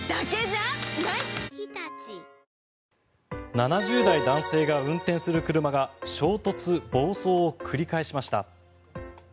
７０代男性が運転する車が衝突・暴走を繰り返しました。